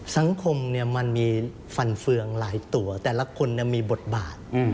มันมีฟันเฟืองหลายตัวแต่ละคนมีบทบาท